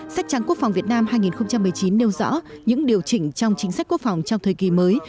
sách trắng quốc phòng việt nam hai nghìn một mươi chín nêu rõ những điều chỉnh trong chính sách quốc phòng trong thời kỳ mới